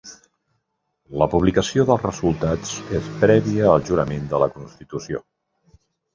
La publicació dels resultats és prèvia al jurament de la constitució.